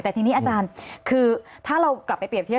แต่ทีนี้อาจารย์คือถ้าเรากลับไปเรียบเทียบ